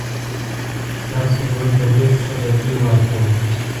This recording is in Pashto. ستاسو ژوند ته ډېر ښه بدلون ورکړ.